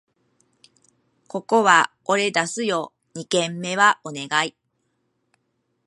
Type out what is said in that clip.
ここは俺出すよ！二軒目はお願い